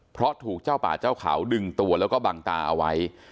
เพราะถูกเจ้าป่าเจ้าเขาดึงตัวแล้วก็บังตาเอาไว้